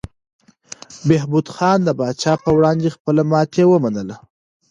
بهبود خان د پاچا په وړاندې خپله ماتې ومنله.